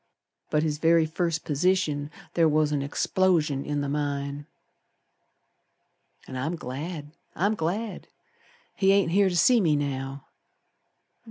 But his very first position ther was an explosion in the mine. And I'm glad! I'm glad! He ain't here to see me now.